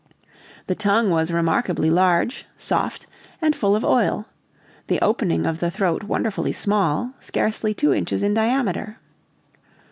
The tongue was remarkably large, soft, and full of oil; the opening of the throat wonderfully small, scarcely two inches in diameter.